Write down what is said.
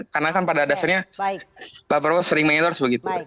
karena kan pada dasarnya pak bro sering mengendorse begitu